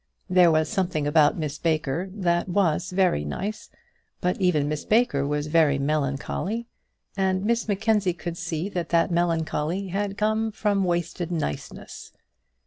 There was something about Miss Baker that was very nice; but even Miss Baker was very melancholy, and Miss Mackenzie could see that that melancholy had come from wasted niceness.